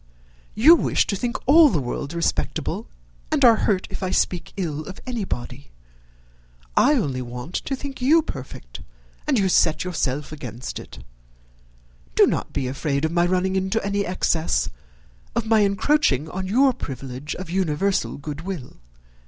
You wish to think all the world respectable, and are hurt if I speak ill of anybody. I only want to think you perfect, and you set yourself against it. Do not be afraid of my running into any excess, of my encroaching on your privilege of universal good will.